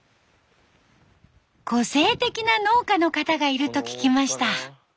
個性的な農家の方がいると聞きました。